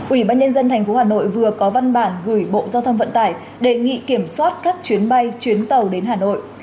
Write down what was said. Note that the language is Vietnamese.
ủy ban nhân dân tp hà nội vừa có văn bản gửi bộ giao thông vận tải đề nghị kiểm soát các chuyến bay chuyến tàu đến hà nội